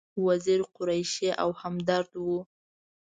وزیری، قریشي او همدرد و.